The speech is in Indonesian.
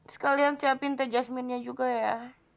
sekalian siapin teh jasminnya juga ya